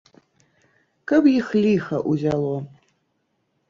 Каб іх ліха узяло!